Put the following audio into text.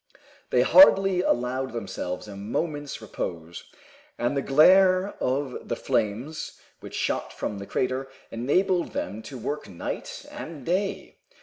They hardly allowed themselves a moment's repose, and the glare of the flames which shot from the crater enabled them to work night and day.